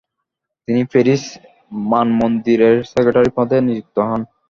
তিনি প্যারিস মানমন্দিরের সেক্রেটারি পদে নিযুক্ত হন।